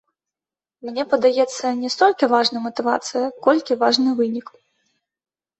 Мне падаецца, не столькі важная матывацыя, колькі важны вынік.